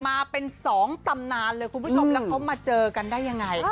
มาเป็นสองตำนานเลยคุณผู้ชมแล้วเขามาเจอกันได้ยังไง